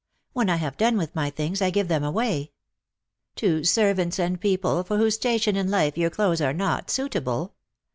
When I have done with my things I give them away." " To servants and people for whose station in life your clothes are not suitable.